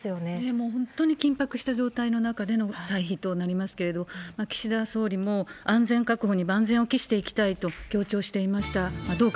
もう本当に緊迫した状態の中での退避となりますけれども、岸田総理も、安全確保に万全を期していきたいと強調していました。